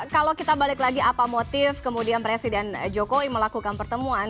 kalau kita balik lagi apa motif kemudian presiden jokowi melakukan pertemuan